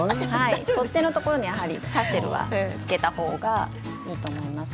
取っ手のところにタッセルをつけたほうがいいです。